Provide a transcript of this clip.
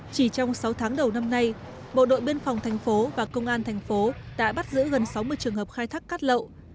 chỉ trong sáu tháng đầu năm nay bộ đội biên phòng tp hcm và công an tp hcm đã bắt giữ gần sáu mươi trường hợp khai thác cát lậu